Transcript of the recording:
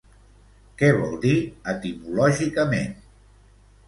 Què vol dir etimològicament?